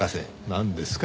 なんですか？